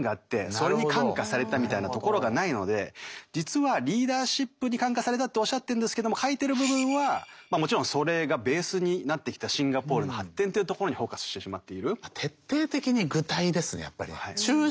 それに感化されたみたいなところがないので実はリーダーシップに感化されたっておっしゃってるんですけども書いてる部分はもちろんそれがベースになってきたシンガポールの発展というところにフォーカスしてしまっている。